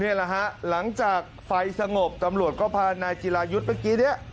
นี่แหละฮะหลังจากไฟสงบตำรวจก็พานายจิรายุทธ์เมื่อกี้เนี่ย